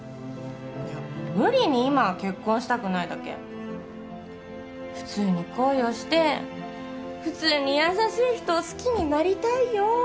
いや無理に今結婚したくないだけ普通に恋をして普通に優しい人を好きになりたいよ